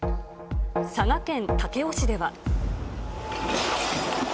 佐賀県武雄市では。